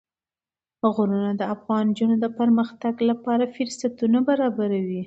غرونه د افغان نجونو د پرمختګ لپاره فرصتونه برابروي.